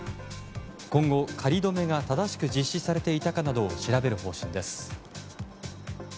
今後、仮止めが正しく実施されていたかなどを調べる方針です。